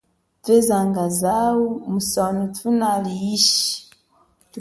Thwezanga zawu musono thunali ishi.